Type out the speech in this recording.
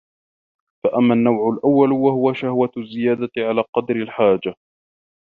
فَأَمَّا النَّوْعُ الْأَوَّلُ وَهُوَ شَهْوَةُ الزِّيَادَةِ عَلَى قَدْرِ الْحَاجَةِ